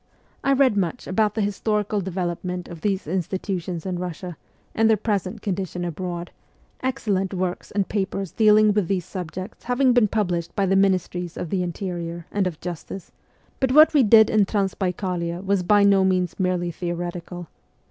I read much about the historical development of these institutions in Kussia and their present condition abroad, excellent works and papers dealing with these subjects having been published by the Ministries of the Interior and of Justice ; but what we did in Transbaikalia was by no means merely theoretical.